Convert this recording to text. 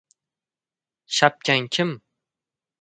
Shapkang kim?